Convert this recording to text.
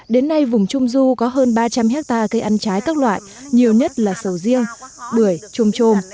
đến nay vùng trung du có hơn ba trăm linh hectare cây ăn trái các loại nhiều nhất là sầu riêng bưởi trôm trôm